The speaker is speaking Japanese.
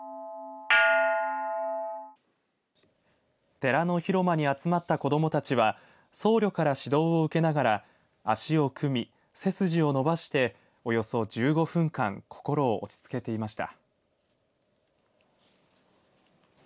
寺の広間に集まった子どもたちは僧侶から指導を受けながら足を組み、背筋を伸ばしておよそ１５分間心を落ち着けていました。